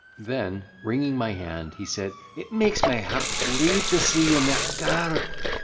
Then, wringing my hand, he said, "It makes my heart bleed to see you in that garb!"